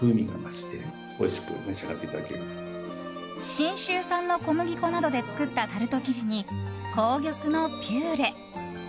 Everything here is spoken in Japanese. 信州産の小麦粉などで作ったタルト生地に、紅玉のピューレ。